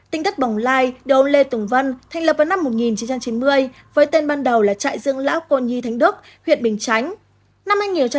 tỉnh thất bồng lai được ông lê tùng vân thành lập vào năm một nghìn chín trăm chín mươi với tên ban đầu là trại dương lão cô nhi thánh đức huyện bình chánh